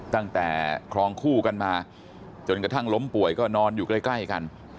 คลองคู่กันมาจนกระทั่งล้มป่วยก็นอนอยู่ใกล้กัน